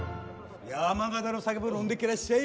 山形の酒も飲んでけらっしゃい！